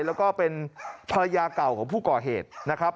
แล้วก็เป็นภรรยาเก่าของผู้ก่อเหตุนะครับ